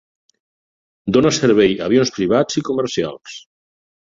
Dona servei a avions privats i comercials.